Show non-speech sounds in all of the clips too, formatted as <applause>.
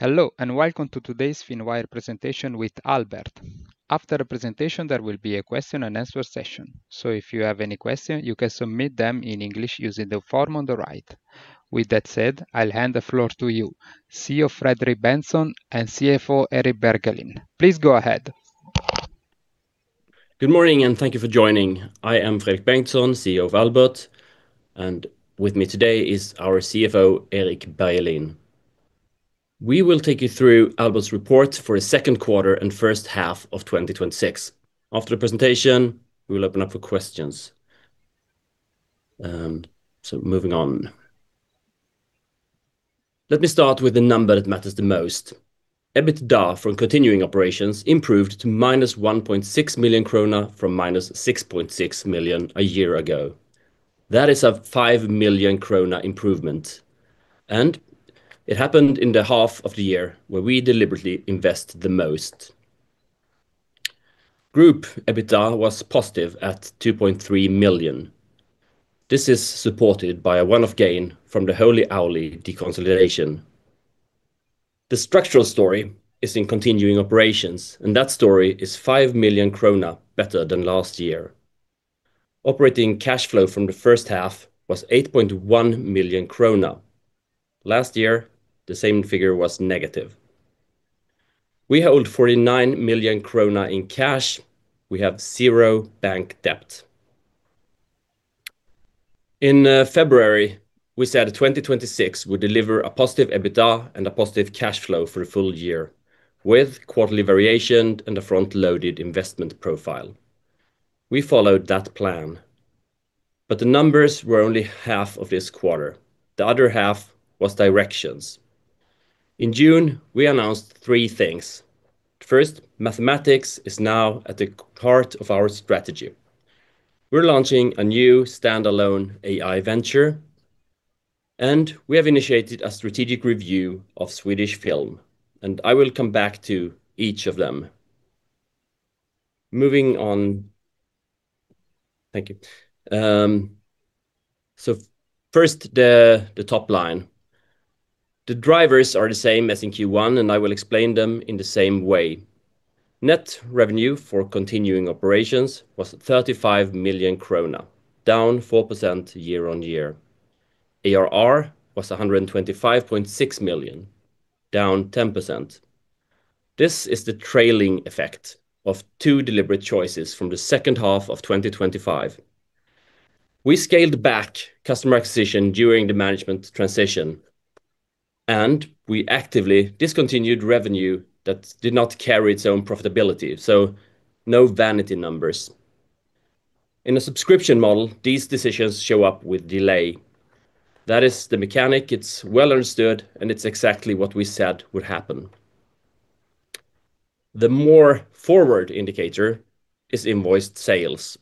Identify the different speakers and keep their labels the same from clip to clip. Speaker 1: Hello, and welcome to today's Finwire presentation with Albert. After the presentation, there will be a question and answer session. If you have any questions, you can submit them in English using the form on the right. With that said, I will hand the floor to you, CEO Fredrik Bengtsson and CFO Erik Bergelin. Please go ahead.
Speaker 2: Good morning, and thank you for joining. I am Fredrik Bengtsson, CEO of Albert, and with me today is our CFO, Erik Bergelin. We will take you through Albert's report for the second quarter and first half of 2026. After the presentation, we will open up for questions. Moving on. Let me start with the number that matters the most. EBITDA from continuing operations improved to -1.6 million krona from -6.6 million a year ago. That is a 5 million krona improvement, and it happened in the half of the year where we deliberately invest the most. Group EBITDA was positive at 2.3 million. This is supported by a one-off gain from the Holy Owly deconsolidation. The structural story is in continuing operations, and that story is 5 million krona better than last year. Operating cash flow from the first half was 8.1 million krona. Last year, the same figure was negative. We hold 49 million krona in cash. We have zero bank debt. In February, we said 2026 would deliver a positive EBITDA and a positive cash flow for the full year, with quarterly variation and a front-loaded investment profile. We followed that plan, but the numbers were only half of this quarter. The other half was directions. In June, we announced three things. First, mathematics is now at the heart of our strategy. We are launching a new standalone AI venture, and we have initiated a strategic review of Swedish Film, and I will come back to each of them. Moving on. Thank you. First, the top line. The drivers are the same as in Q1, and I will explain them in the same way. Net revenue for continuing operations was 35 million krona, down 4% year-on-year. ARR was 125.6 million, down 10%. This is the trailing effect of two deliberate choices from the second half of 2025. We scaled back customer acquisition during the management transition, and we actively discontinued revenue that did not carry its own profitability. No vanity numbers. In a subscription model, these decisions show up with delay. That is the mechanic. It is well understood, and it is exactly what we said would happen. The more forward indicator is invoiced sales.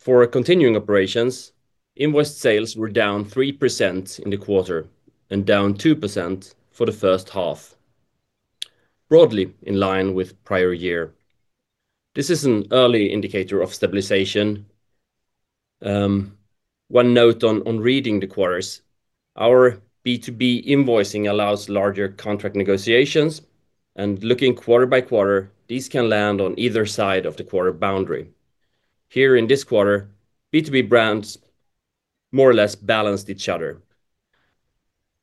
Speaker 2: For continuing operations, invoiced sales were down 3% in the quarter and down 2% for the first half, broadly in line with prior year. This is an early indicator of stabilization. One note on reading the quarters, our B2B invoicing allows larger contract negotiations, and looking quarter-by-quarter, these can land on either side of the quarter boundary. Here in this quarter, B2B brands more or less balanced each other.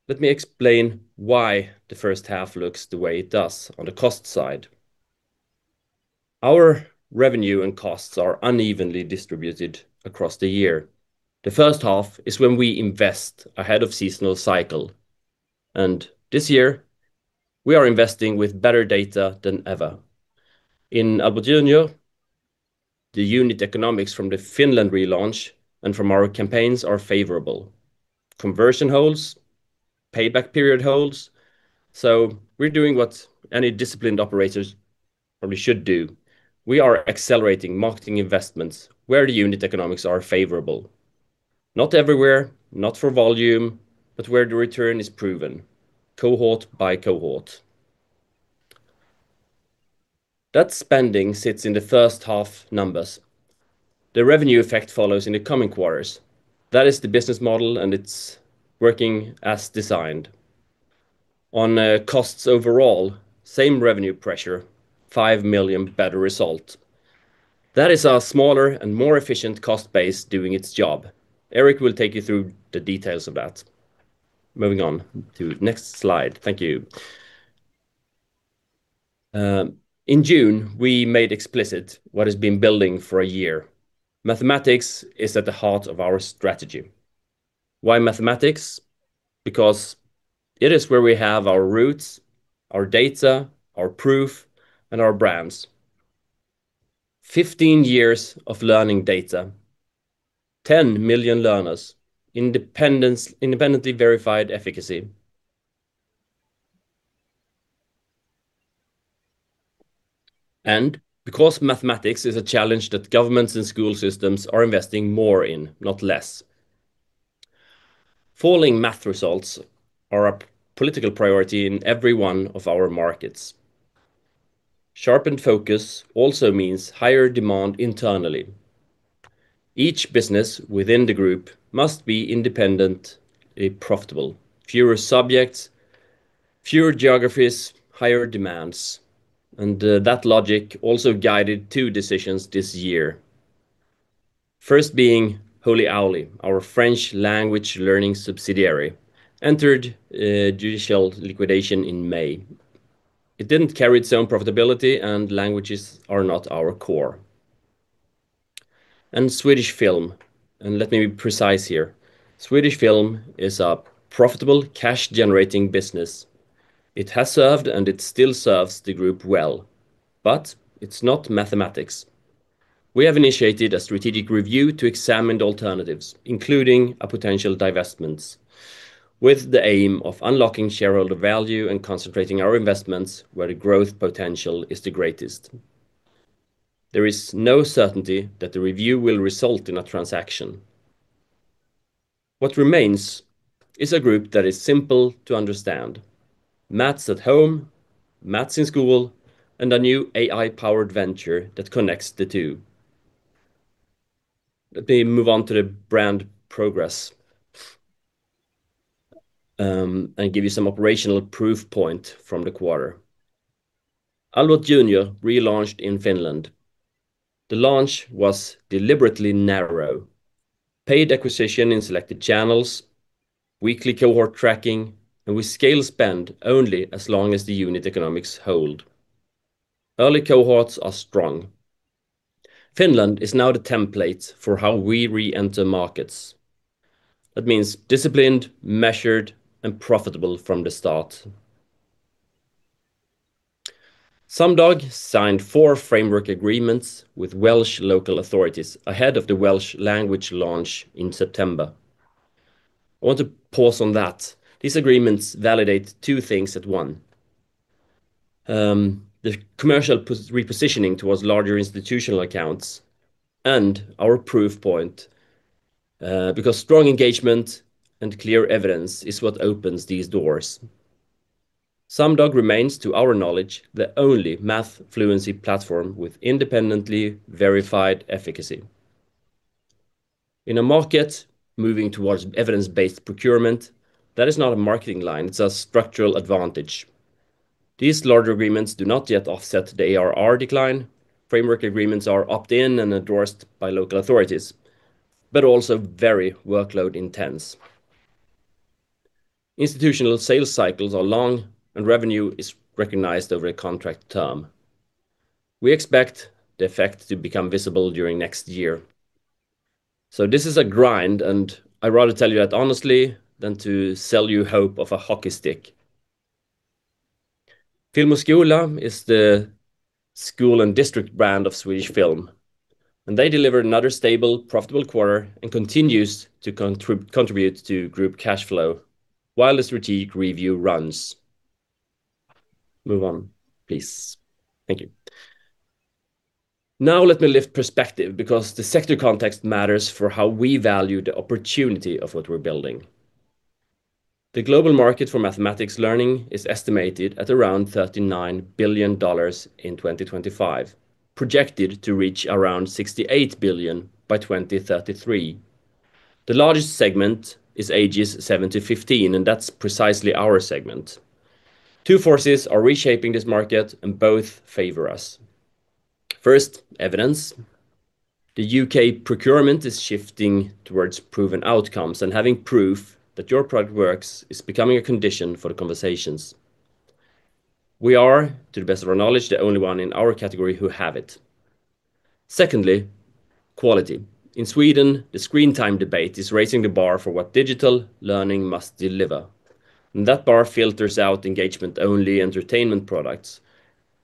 Speaker 2: Let me explain why the first half looks the way it does on the cost side. Our revenue and costs are unevenly distributed across the year. The first half is when we invest ahead of seasonal cycle, and this year, we are investing with better data than ever. In Albert Junior, the unit economics from the Finland relaunch and from our campaigns are favorable. Conversion holds, payback period holds. We're doing what any disciplined operators probably should do. We are accelerating marketing investments where the unit economics are favorable. Not everywhere, not for volume, but where the return is proven, cohort by cohort. That spending sits in the first half numbers. The revenue effect follows in the coming quarters. That is the business model, and it's working as designed. On costs overall, same revenue pressure, 5 million better result. That is our smaller and more efficient cost base doing its job. Erik will take you through the details of that. Moving on to next slide. Thank you. In June, we made explicit what has been building for a year. Mathematics is at the heart of our strategy. Why mathematics? Because it is where we have our roots, our data, our proof, and our brands. 15 years of learning data. 10 million learners. Independently verified efficacy. Because mathematics is a challenge that governments and school systems are investing more in, not less. Falling math results are a political priority in every one of our markets. Sharpened focus also means higher demand internally. Each business within the group must be independently profitable. Fewer subjects, fewer geographies, higher demands. That logic also guided two decisions this year. First being Holy Owly, our French language learning subsidiary, entered judicial liquidation in May. It didn't carry its own profitability, and languages are not our core. Swedish Film, and let me be precise here. Swedish Film is a profitable cash-generating business. It has served and it still serves the group well, but it's not mathematics. We have initiated a strategic review to examine alternatives, including potential divestments, with the aim of unlocking shareholder value and concentrating our investments where the growth potential is the greatest. There is no certainty that the review will result in a transaction. What remains is a group that is simple to understand. Maths at home, maths in school, and a new AI-powered venture that connects the two. Let me move on to the brand progress and give you some operational proof point from the quarter. Albert Junior relaunched in Finland. The launch was deliberately narrow. Paid acquisition in selected channels, weekly cohort tracking. We scale spend only as long as the unit economics hold. Early cohorts are strong. Finland is now the template for how we re-enter markets. That means disciplined, measured, and profitable from the start. Sumdog signed four framework agreements with Welsh local authorities ahead of the Welsh language launch in September. I want to pause on that. These agreements validate two things at once. The commercial repositioning towards larger institutional accounts and our proof point, because strong engagement and clear evidence is what opens these doors. Sumdog remains, to our knowledge, the only math fluency platform with independently verified efficacy. In a market moving towards evidence-based procurement, that is not a marketing line, it's a structural advantage. These larger agreements do not yet offset the ARR decline. Framework agreements are opt-in and endorsed by local authorities, but also very workload intense. Institutional sales cycles are long, and revenue is recognized over a contract term. We expect the effect to become visible during next year. This is a grind, and I'd rather tell you that honestly than to sell you hope of a hockey stick. Film och Skola is the school and district brand of Swedish Film, and they delivered another stable, profitable quarter and continues to contribute to group cash flow while the strategic review runs. Move on, please. Thank you. Now let me lift perspective because the sector context matters for how we value the opportunity of what we're building. The global market for mathematics learning is estimated at around $39 billion in 2025, projected to reach around $68 billion by 2033. The largest segment is ages seven to 15, and that's precisely our segment. Two forces are reshaping this market, and both favor us. First, evidence. The U.K. procurement is shifting towards proven outcomes, and having proof that your product works is becoming a condition for the conversations. We are, to the best of our knowledge, the only one in our category who have it. Secondly, quality. In Sweden, the screen time debate is raising the bar for what digital learning must deliver, and that bar filters out engagement-only entertainment products.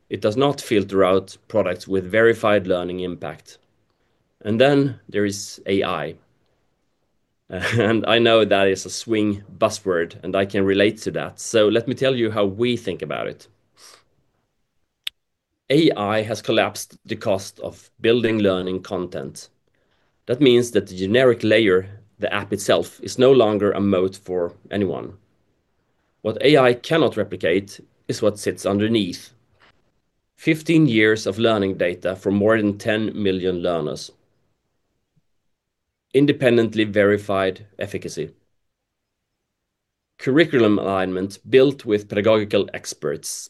Speaker 2: It does not filter out products with verified learning impact. Then there is AI. I know that is a swing buzzword, and I can relate to that. Let me tell you how we think about it. AI has collapsed the cost of building learning content. That means that the generic layer, the app itself, is no longer a moat for anyone. What AI cannot replicate is what sits underneath. 15 years of learning data for more than 10 million learners. Independently verified efficacy. Curriculum alignment built with pedagogical experts.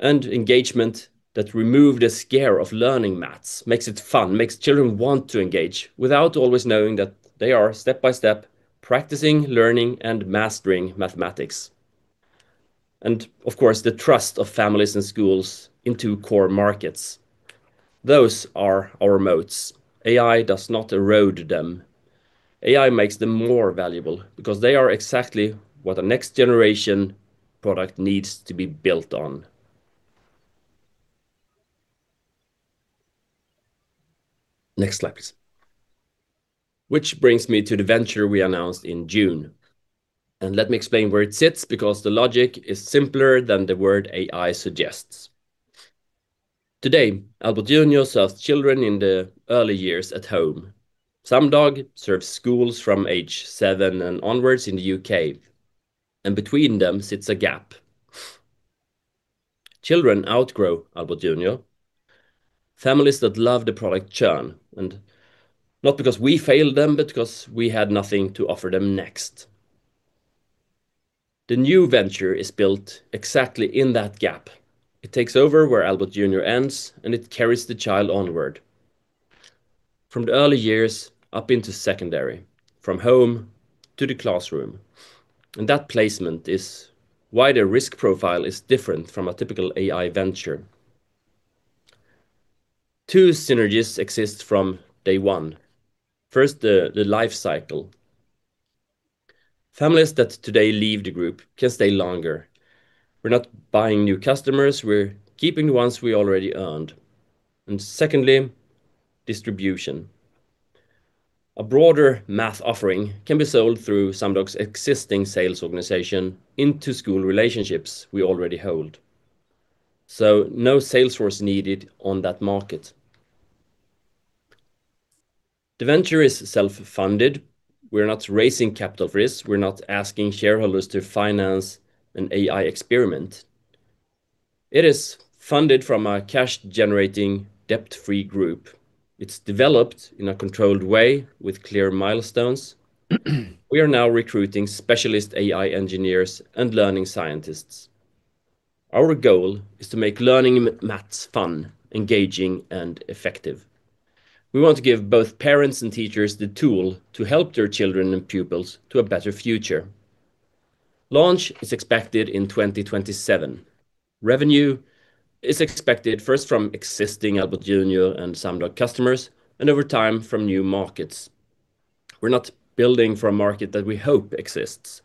Speaker 2: Engagement that remove the scare of learning math, makes it fun, makes children want to engage without always knowing that they are step-by-step practicing, learning, and mastering mathematics. Of course, the trust of families and schools in two core markets. Those are our moats. AI does not erode them. AI makes them more valuable because they are exactly what the next generation product needs to be built on. Next slide, please. Which brings me to the venture we announced in June. Let me explain where it sits because the logic is simpler than the word AI suggests. Today, Albert Junior serves children in the early years at home. Sumdog serves schools from age seven and onwards in the U.K., and between them sits a gap. Children outgrow Albert Junior. Families that love the product churn, and not because we failed them, but because we had nothing to offer them next. The new venture is built exactly in that gap. It takes over where Albert Junior ends, and it carries the child onward. From the early years up into secondary, from home to the classroom, and that placement is why their risk profile is different from a typical AI venture. Two synergies exist from day one. First, the life cycle. Families that today leave the group can stay longer. We're not buying new customers, we're keeping the ones we already earned. Secondly, distribution. A broader math offering can be sold through Sumdog's existing sales organization into school relationships we already hold. No sales force needed on that market. The venture is self-funded. We're not raising capital risk. We're not asking shareholders to finance an AI experiment. It is funded from a cash-generating, debt-free group. It's developed in a controlled way with clear milestones. We are now recruiting specialist AI engineers and learning scientists. Our goal is to make learning math fun, engaging, and effective. We want to give both parents and teachers the tool to help their children and pupils to a better future. Launch is expected in 2027. Revenue is expected first from existing Albert Junior and Sumdog customers, and over time from new markets. We're not building for a market that we hope exists.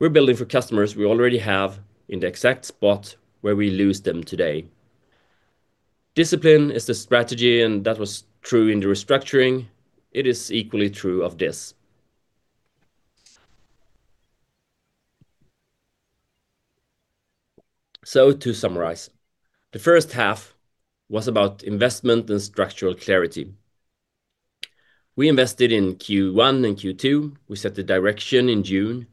Speaker 2: We're building for customers we already have in the exact spot where we lose them today. Discipline is the strategy, and that was true in the restructuring. It is equally true of this. To summarize, the first half was about investment and structural clarity. We invested in Q1 and Q2. We set the direction in June.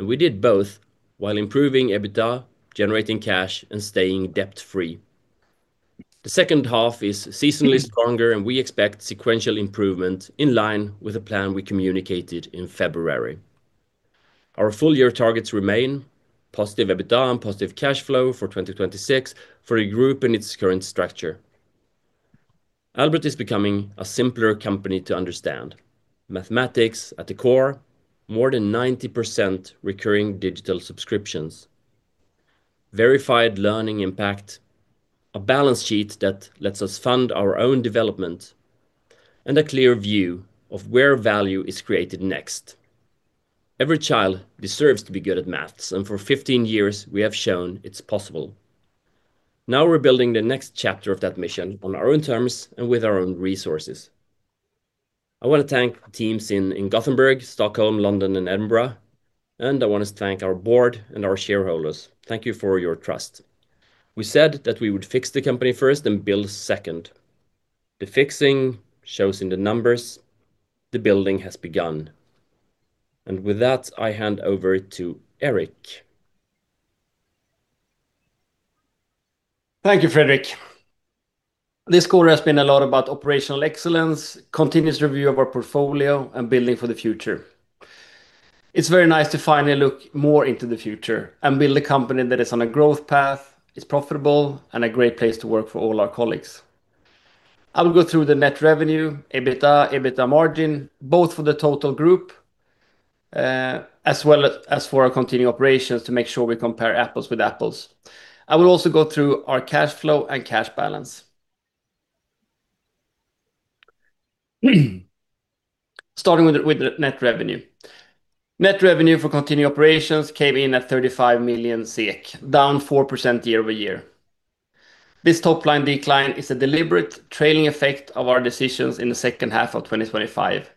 Speaker 2: We did both while improving EBITDA, generating cash, and staying debt-free. The second half is seasonally stronger. We expect sequential improvement in line with the plan we communicated in February. Our full-year targets remain positive EBITDA and positive cash flow for 2026 for the group in its current structure. Albert is becoming a simpler company to understand. Mathematics at the core, more than 90% recurring digital subscriptions, verified learning impact, a balance sheet that lets us fund our own development, and a clear view of where value is created next. Every child deserves to be good at math, and for 15 years, we have shown it's possible. Now we're building the next chapter of that mission on our own terms and with our own resources. I want to thank teams in Gothenburg, Stockholm, London, and Edinburgh. I want to thank our board and our shareholders. Thank you for your trust. We said that we would fix the company first, then build second. The fixing shows in the numbers. The building has begun. With that, I hand over to Erik.
Speaker 3: Thank you, Fredrik. This quarter has been a lot about operational excellence, continuous review of our portfolio, and building for the future. It's very nice to finally look more into the future and build a company that is on a growth path, is profitable, and a great place to work for all our colleagues. I will go through the net revenue, EBITDA margin, both for the total group as well as for our continuing operations to make sure we compare apples with apples. I will also go through our cash flow and cash balance. Starting with the net revenue. Net revenue for continuing operations came in at 35 million SEK, down 4% year-over-year. This top-line decline is a deliberate trailing effect of our decisions in the second half of 2025,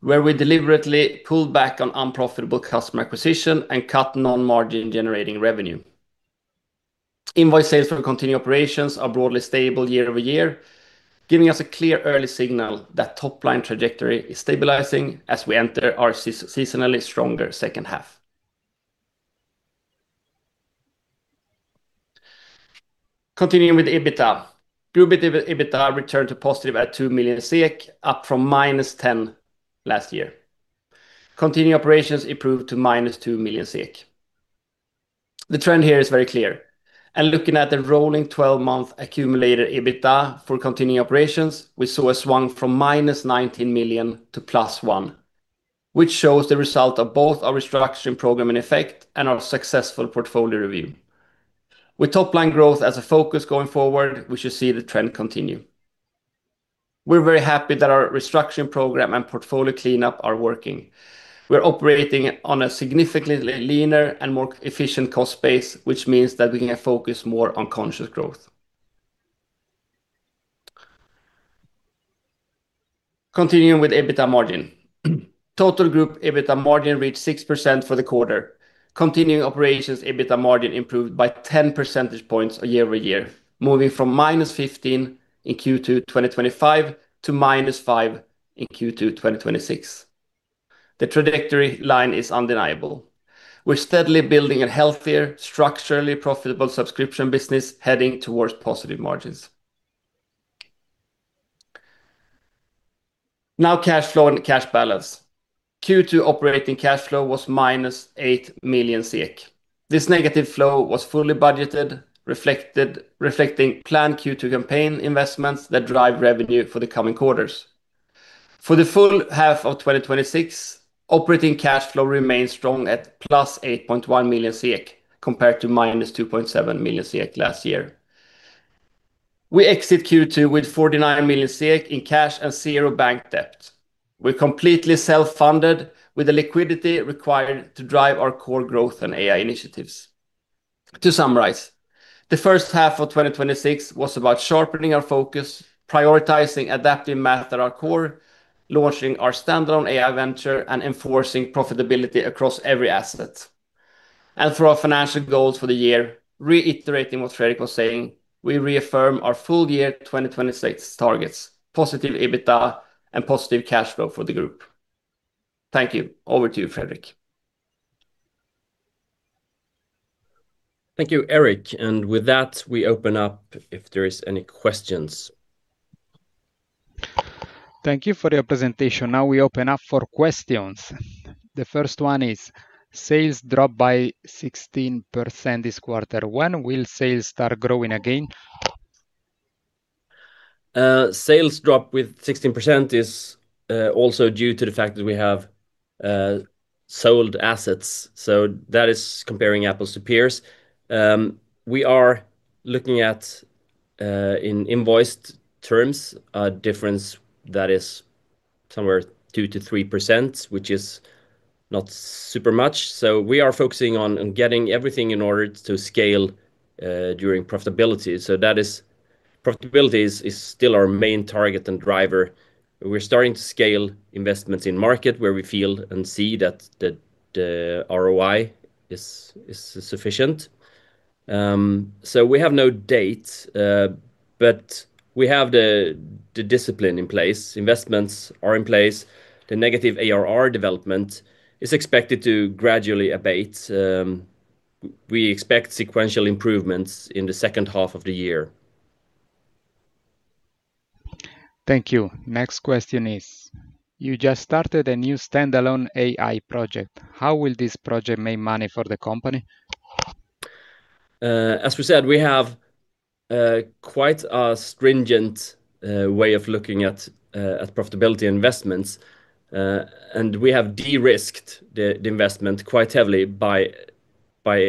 Speaker 3: where we deliberately pulled back on unprofitable customer acquisition and cut non-margin generating revenue. Invoice sales from continuing operations are broadly stable year-over-year, giving us a clear early signal that top-line trajectory is stabilizing as we enter our seasonally stronger second half. Continuing with EBITDA. Group EBITDA returned to positive at 2.3 million SEK, up from -10 million last year. Continuing operations improved to -1.6 million SEK. The trend here is very clear, looking at the rolling 12-month accumulator EBITDA for continuing operations, we saw a swung from -19 million to +1 million, which shows the result of both our restructuring program in effect and our successful portfolio review. With top-line growth as a focus going forward, we should see the trend continue. We're very happy that our restructuring program and portfolio cleanup are working. We're operating on a significantly leaner and more efficient cost base, which means that we can focus more on conscious growth. Continuing with EBITDA margin. Total group EBITDA margin reached 6% for the quarter. Continuing operations EBITDA margin improved by 10 percentage points year-over-year, moving from -15% in Q2 2025 to -5% in Q2 2026. The trajectory line is undeniable. We're steadily building a healthier, structurally profitable subscription business heading towards positive margins. Now cash flow and cash balance. Q2 operating cash flow was -8 million SEK. This negative flow was fully budgeted, reflecting planned Q2 campaign investments that drive revenue for the coming quarters. For the full half of 2026, operating cash flow remained strong at +8.1 million, compared to -2.7 million last year. We exit Q2 with 49 million in cash and zero bank debt. We're completely self-funded with the liquidity required to drive our core growth and AI initiatives. To summarize, the first half of 2026 was about sharpening our focus, prioritizing adaptive math at our core, launching our standalone AI venture, and enforcing profitability across every asset. Through our financial goals for the year, reiterating what Fredrik was saying, we reaffirm our full year 2026 targets, positive EBITDA and positive cash flow for the group. Thank you. Over to you, Fredrik.
Speaker 2: Thank you, Erik. With that, we open up if there is any questions.
Speaker 1: Thank you for your presentation. Now we open up for questions. The first one is, sales dropped by 16% this quarter. When will sales start growing again?
Speaker 2: Sales drop with 16% is also due to the fact that we have sold assets. That is comparing apples to pears. We are looking at, in invoiced terms, a difference that is somewhere 2%-3%, which is not super much. We are focusing on getting everything in order to scale during profitability. Profitability is still our main target and driver. We're starting to scale investments in market where we feel and see that the ROI is sufficient. We have no date, but we have the discipline in place. Investments are in place. The negative ARR development is expected to gradually abate. We expect sequential improvements in the second half of the year.
Speaker 1: Thank you. Next question is, you just started a new standalone AI project. How will this project make money for the company?
Speaker 2: As we said, we have quite a stringent way of looking at profitability investments. We have de-risked the investment quite heavily by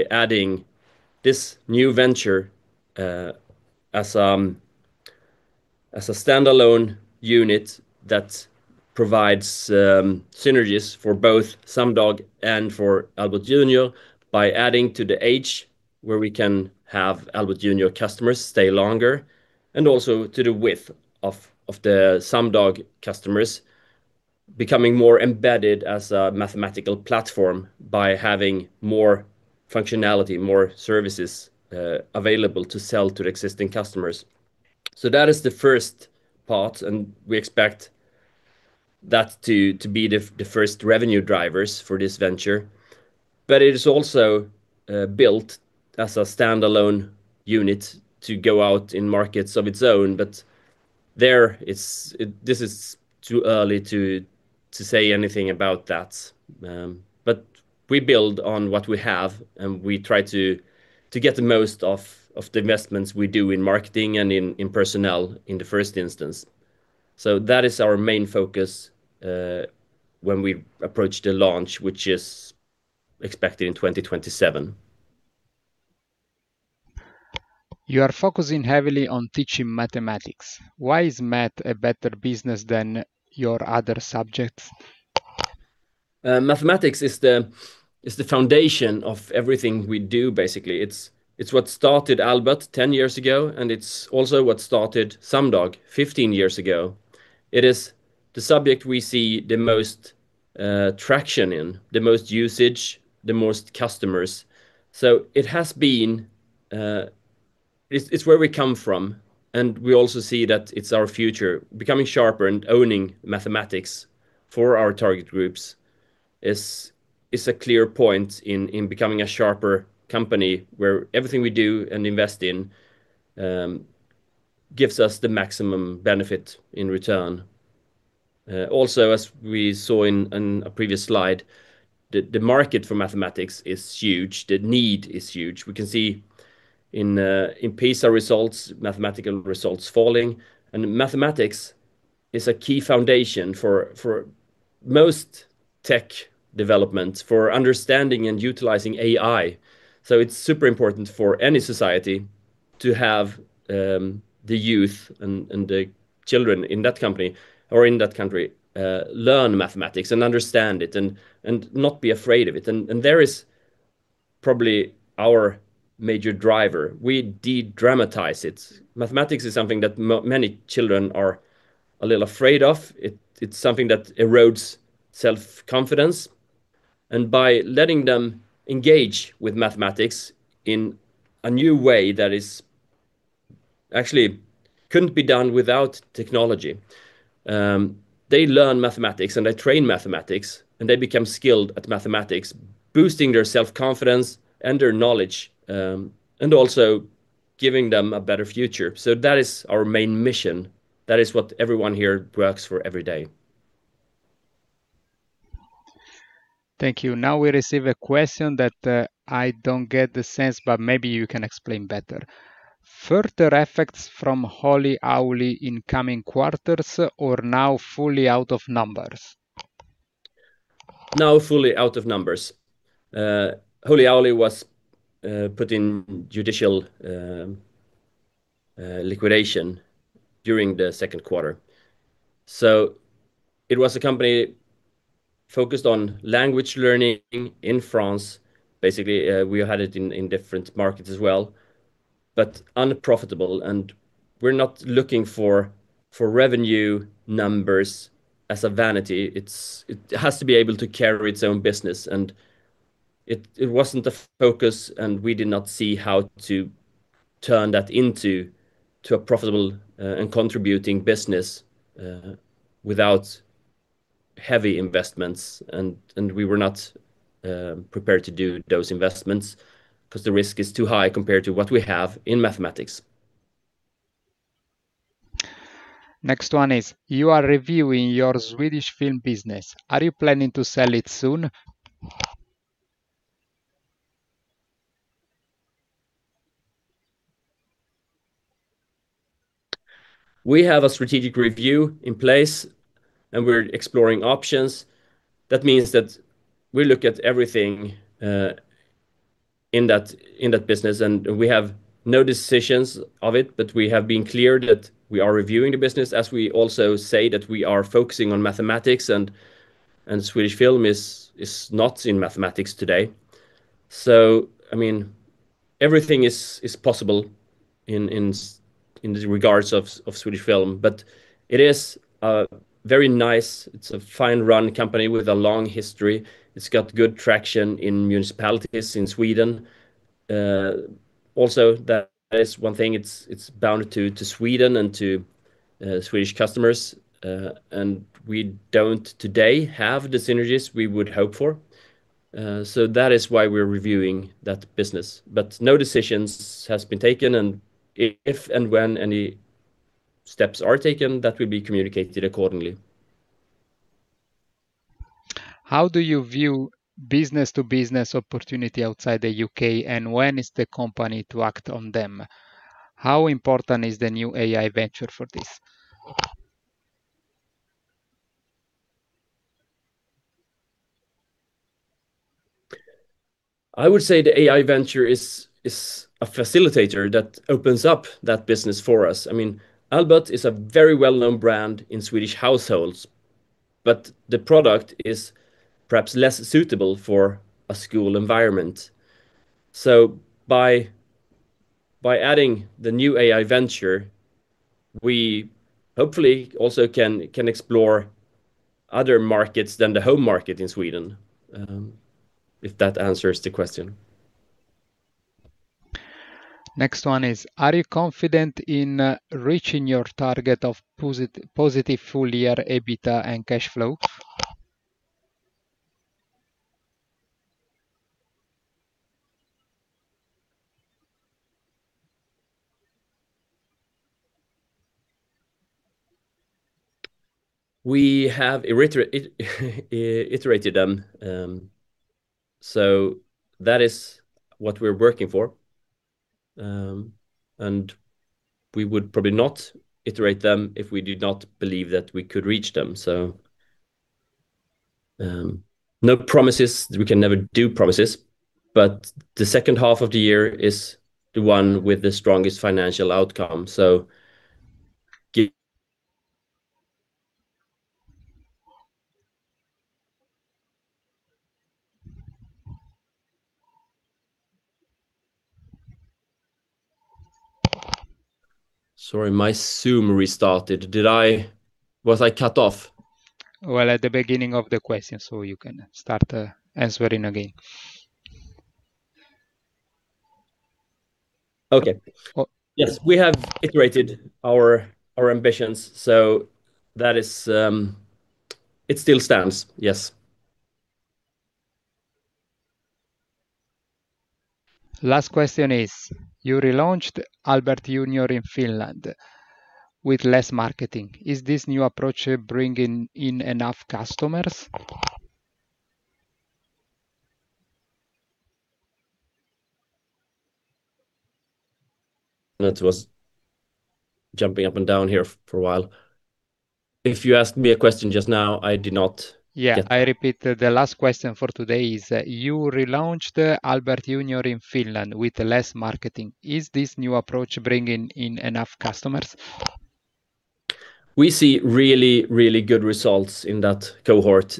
Speaker 2: adding this new venture as a standalone unit that provides synergies for both Sumdog and for Albert Junior by adding to the age where we can have Albert Junior customers stay longer, and also to the width of the Sumdog customers becoming more embedded as a mathematical platform by having more functionality, more services available to sell to the existing customers. That is the first part, and we expect that to be the first revenue drivers for this venture. It is also built as a standalone unit to go out in markets of its own. This is too early to say anything about that. We build on what we have, and we try to get the most of the investments we do in marketing and in personnel in the first instance. That is our main focus when we approach the launch, which is expected in 2027.
Speaker 1: You are focusing heavily on teaching mathematics. Why is math a better business than your other subjects?
Speaker 2: Mathematics is the foundation of everything we do, basically. It's what started Albert 10 years ago, and it's also what started Sumdog 15 years ago. It is the subject we see the most traction in, the most usage, the most customers. It's where we come from, and we also see that it's our future. Becoming sharper and owning mathematics for our target groups is a clear point in becoming a sharper company where everything we do and invest in gives us the maximum benefit in return. As we saw in a previous slide, the market for mathematics is huge. The need is huge. We can see in PISA results, mathematical results falling. Mathematics is a key foundation for most tech development, for understanding and utilizing AI. It's super important for any society to have the youth and the children in that company or in that country learn mathematics and understand it and not be afraid of it. There is probably our major driver. We de-dramatize it. Mathematics is something that many children are a little afraid of. It's something that erodes self-confidence. By letting them engage with mathematics in a new way that actually couldn't be done without technology, they learn mathematics, and they train mathematics, and they become skilled at mathematics, boosting their self-confidence and their knowledge, and also giving them a better future. That is our main mission. That is what everyone here works for every day.
Speaker 1: Thank you. We receive a question that I don't get the sense, but maybe you can explain better. Further effects from Holy Owly in coming quarters or now fully out of numbers?
Speaker 2: Fully out of numbers. Holy Owly was put in judicial liquidation during the second quarter. It was a company focused on language learning in France. Basically, we had it in different markets as well, but unprofitable. We're not looking for revenue numbers as a vanity. It has to be able to carry its own business. It wasn't a focus, and we did not see how to turn that into a profitable and contributing business without heavy investments. We were not prepared to do those investments because the risk is too high compared to what we have in mathematics.
Speaker 1: Next one is, you are reviewing your Swedish Film business. Are you planning to sell it soon?
Speaker 2: We have a strategic review in place, and we're exploring options. That means that we look at everything in that business, and we have no decisions of it. We have been clear that we are reviewing the business, as we also say that we are focusing on mathematics, and Swedish Film is not in mathematics today. Everything is possible in the regards of Swedish Film. It is very nice. It's a fine run company with a long history. It's got good traction in municipalities in Sweden. That is one thing, it's bounded to Sweden and to Swedish customers. We don't, today, have the synergies we would hope for. That is why we're reviewing that business. No decisions has been taken, and if and when any steps are taken, that will be communicated accordingly.
Speaker 1: How do you view business-to-business opportunity outside the U.K., when is the company to act on them? How important is the new AI venture for this?
Speaker 2: I would say the AI venture is a facilitator that opens up that business for us. Albert is a very well-known brand in Swedish households, the product is perhaps less suitable for a school environment. By adding the new AI venture, we hopefully also can explore other markets than the home market in Sweden. If that answers the question.
Speaker 1: Next one is: Are you confident in reaching your target of positive full year EBITDA and cash flow?
Speaker 2: We have iterated them. That is what we're working for. We would probably not iterate them if we did not believe that we could reach them. No promises. We can never do promises. The second half of the year is the one with the strongest financial outcome. Sorry, my Zoom restarted. Was I cut off?
Speaker 1: Well, at the beginning of the question, you can start answering again.
Speaker 2: Okay.
Speaker 1: Oh.
Speaker 2: Yes, we have iterated our ambitions. It still stands. Yes.
Speaker 1: Last question is: You relaunched Albert Junior in Finland with less marketing. Is this new approach bringing in enough customers?
Speaker 2: Internet was jumping up and down here for a while. If you asked me a question just now, I did not get that.
Speaker 1: Yeah. I repeat, the last question for today is: You relaunched Albert Junior in Finland with less marketing. Is this new approach bringing in enough customers?
Speaker 2: We see really, really good results in that cohort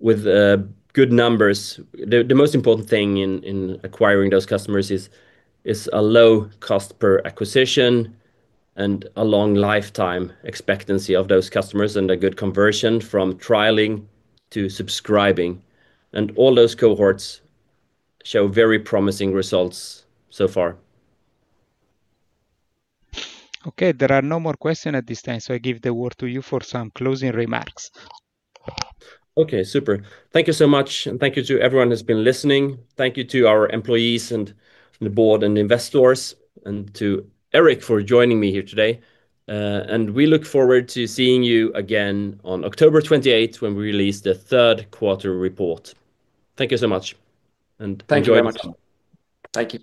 Speaker 2: with good numbers. The most important thing in acquiring those customers is a low cost per acquisition and a long lifetime expectancy of those customers, and a good conversion from trialing to subscribing. All those cohorts show very promising results so far.
Speaker 1: Okay. There are no more questions at this time, I give the word to you for some closing remarks.
Speaker 2: Okay. Super. Thank you so much, and thank you to everyone who's been listening. Thank you to our employees and the board and investors, and to Erik for joining me here today. We look forward to seeing you again on October 28th when we release the third quarter report. Thank you so much, and enjoy <crosstalk> your summer.
Speaker 1: Thank you very much. Thank you.